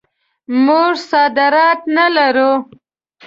موږ صادرات نه لرو.